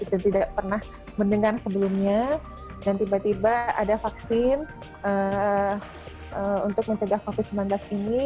kita tidak pernah mendengar sebelumnya dan tiba tiba ada vaksin untuk mencegah covid sembilan belas ini